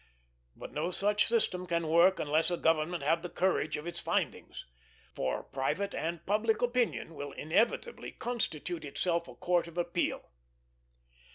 But no such system can work unless a government have the courage of its findings; for private and public opinion will inevitably constitute itself a court of appeal.